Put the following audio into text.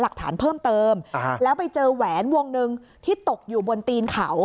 หลักฐานเพิ่มเติมแล้วไปเจอแหวนวงหนึ่งที่ตกอยู่บนตีนเขา